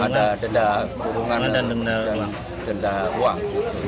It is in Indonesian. ada denda kurungan dan denda uang